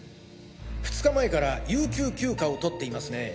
２日前から有給休暇をとっていますね。